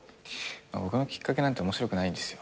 僕のきっかけなんて面白くないですよ。